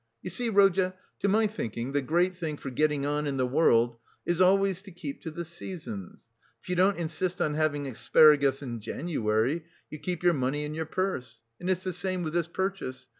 You see, Rodya, to my thinking, the great thing for getting on in the world is always to keep to the seasons; if you don't insist on having asparagus in January, you keep your money in your purse; and it's the same with this purchase.